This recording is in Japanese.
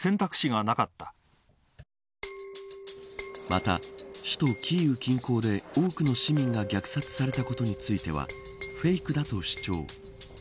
また、首都キーウ近郊で多くの市民が虐殺されたことについてはフェイクだと主張。